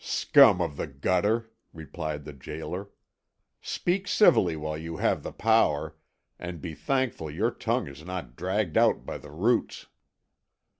"Scum of the gutter!" replied the gaoler. "Speak civilly while you have the power, and be thankful your tongue is not dragged out by the roots."